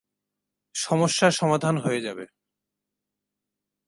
সমস্যা সমাধান হয়ে যাবে।